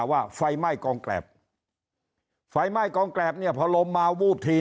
ว่าไฟไหม้กองแกรบไฟไหม้กองแกรบเนี่ยพอลมมาวูบที